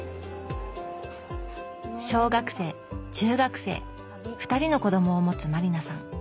小学生・中学生２人の子どもを持つ満里奈さん。